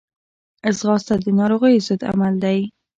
ځغاسته د ناروغیو ضد عمل دی